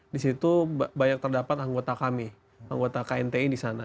di situ banyak terdapat anggota kami anggota knti di sana